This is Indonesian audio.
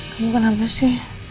kamu kenapa sih